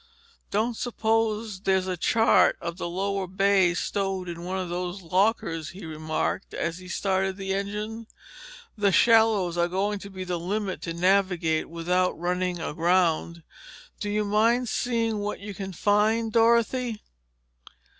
"Don't suppose there's a chart of the lower bay stowed in one of those lockers?" he remarked as he started the engine. "The shallows are going to be the limit to navigate without running aground. Do you mind seeing what you can find, Dorothy?"